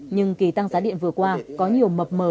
nhưng kỳ tăng giá điện vừa qua có nhiều mập mờ